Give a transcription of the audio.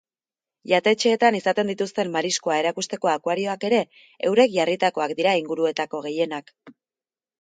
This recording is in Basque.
Jatetxeetan izaten dituzten mariskoa erakusteko akuarioak ere, eurek jarritakoak dira inguruetako gehienak.